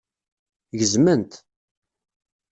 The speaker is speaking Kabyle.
Gezmen-t.